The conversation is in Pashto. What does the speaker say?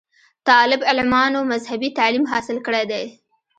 طالب علمانومذهبي تعليم حاصل کړے دے